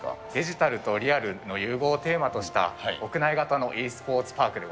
デジタルとリアルの融合をテーマとした屋内型のｅスポーツパ